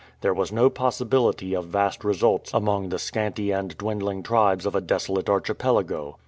There was no possibility of vast results among the scanty and dwindling tribes of a desolate archipelago.